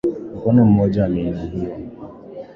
Mkono mmoja ameinuliwa.